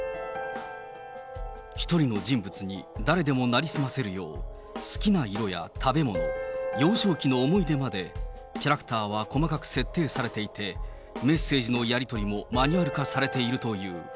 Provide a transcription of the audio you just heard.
一人の人物に誰でも成り済ませるよう、好きな色や食べ物、幼少期の思い出までキャラクターは細かく設定されていて、メッセージのやり取りもマニュアル化されているという。